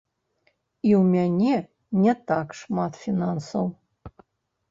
І ў мяне не так шмат фінансаў.